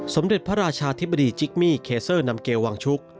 สมเด็จพระราชาธิบดีจิกมี่เคเซอร์นำเกลวังชุก